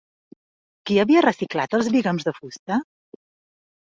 Qui havia reciclat els bigams de fusta?